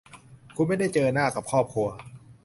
คุณไม่ได้เจอหน้ากับครอบครัว